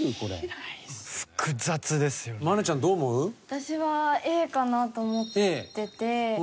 私はＡかなと思ってて。